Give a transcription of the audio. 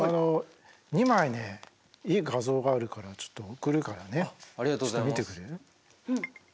２枚ねいい画像があるからちょっと送るからねちょっと見てくれる？